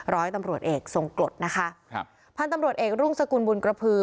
ร้อยตำรวจเอกทรงกรดนะคะครับพันธุ์ตำรวจเอกรุ่งสกุลบุญกระพือ